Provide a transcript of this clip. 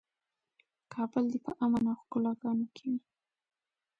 کابل دې په امن او ښکلاګانو کې وي.